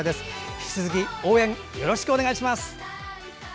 引き続き応援よろしくお願いします。